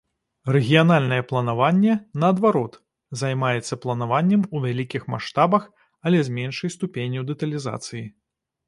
Рэгіянальнае планаванне, наадварот, займаецца планаваннем у вялікіх маштабах, але з меншай ступенню дэталізацыі.